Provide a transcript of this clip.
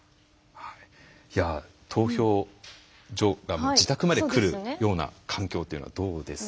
投票所が自宅まで来るような環境というのはどうですか？